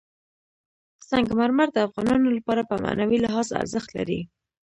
سنگ مرمر د افغانانو لپاره په معنوي لحاظ ارزښت لري.